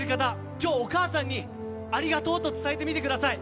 今日、お母さんにありがとうと伝えてみてください。